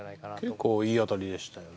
結構いい当たりでしたよね。